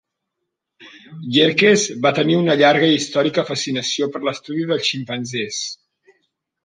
Yerkes va tenir una llarga i històrica fascinació per l'estudi dels ximpanzés.